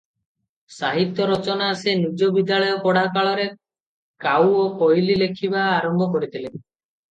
"ସାହିତ୍ୟ ରଚନା ସେ ନିଜ ବିଦ୍ୟାଳୟ ପଢ଼ା କାଳରେ "କାଉ ଓ କୋଇଲି" ଲେଖିବା ଆରମ୍ଭ କରିଥିଲେ ।"